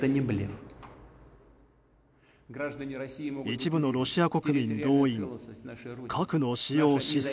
一部のロシア国民動員核の使用示唆。